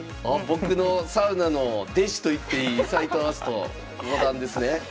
僕のサウナの弟子といっていい斎藤明日斗五段ですね。